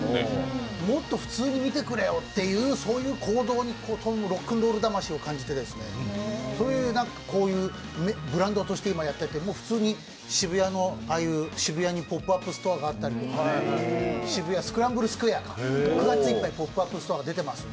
もっと普通に見てくれよという、そういう行動にロックンロール魂を感じて、こういうブランドとして今やってて普通にポップアップストアがあったり、渋谷スクランブルスクエアか、９月いっぱいポップアップストアが出てます。